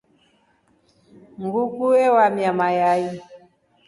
Nguku ewamia mayai.